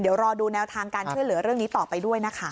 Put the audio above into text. เดี๋ยวรอดูแนวทางการช่วยเหลือเรื่องนี้ต่อไปด้วยนะคะ